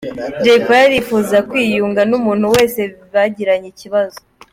Jayipoli arifuza kwiyunga n’umuntu wese bagiranye ikibazo